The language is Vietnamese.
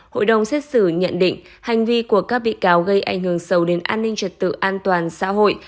hội đồng xét xử nhận định hành vi của các bị cáo gây ảnh hưởng sâu đến an ninh trật tự an toàn xã hội